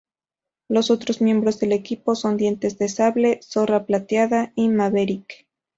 Los otros miembros del equipo son Dientes de Sable, Zorra Plateada, y Maverick.